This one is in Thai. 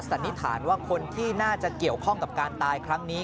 สันนิษฐานว่าคนที่น่าจะเกี่ยวข้องกับการตายครั้งนี้